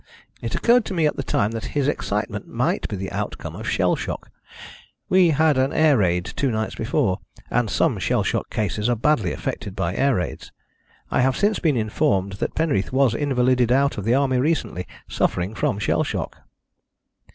It occurred to me at the time that his excitement might be the outcome of shell shock. We had had an air raid two nights before, and some shell shock cases are badly affected by air raids. I have since been informed that Penreath was invalided out of the Army recently, suffering from shell shock."